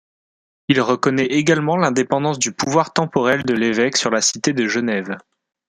Il reconnaît également l'indépendance du pouvoir temporel de l'évêque sur la cité de Genève.